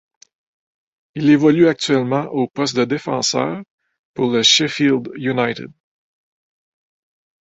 Il évolue actuellement au poste de défenseur pour le Sheffield United.